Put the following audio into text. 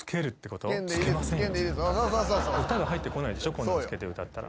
こんなのつけて歌ったら。